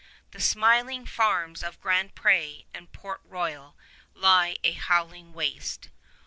The smiling farms of Grand Pré and Port Royal lie a howling waste.